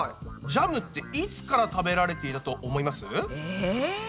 ジャムっていつから食べられていると思います？え？